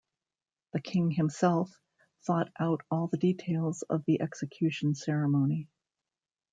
The king himself thought out all the details of the execution ceremony.